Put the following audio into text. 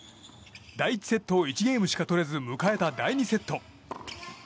第１セットを１ゲームしか取れず迎えた第２セット。